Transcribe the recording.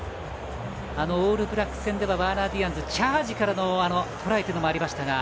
オールブラックス戦ではワーナー・ディアンズチャージからのトライというのもありましたが。